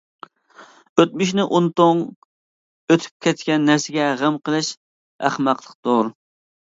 ئۆتمۈشنى ئۇنتۇڭ، ئۆتۈپ كەتكەن نەرسىگە غەم قىلىش ئەخمەقلىقتۇر.